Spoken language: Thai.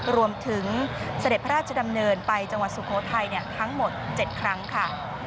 เสด็จพระราชดำเนินไปจังหวัดสุโขทัยทั้งหมด๗ครั้งค่ะ